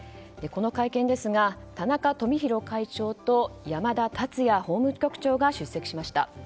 この会見ですが田中富広会長と山田達也法務局長が出席しました。